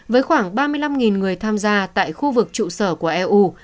với khoảng ba mươi năm người tham gia tại khu vực trụ sở của eu